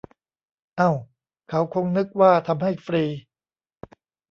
เอ้า เขาคงนึกว่าทำให้ฟรี